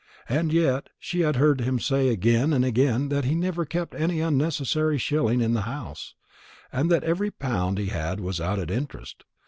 And yet she had heard him say again and again that he never kept an unnecessary shilling in the house, and that every pound he had was out at interest.